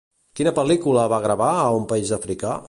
Quina pel·lícula va gravar a un país africà?